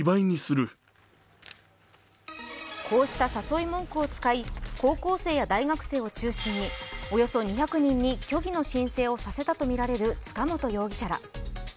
こうした誘い文句を使い、高校生や大学生を中心におよそ２００人に虚偽の申請をさせたとみられる塚本容疑者ら。